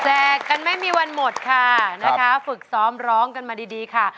กันไม่มีวันหมดค่ะนะคะฝึกซ้อมร้องกันมาดีค่ะ